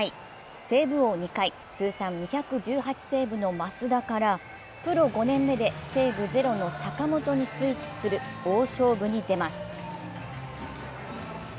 セーブ王２回、通算２１８セーブの益田からプロ５年目でセーブ０の坂本にスイッチする大勝負に出ます。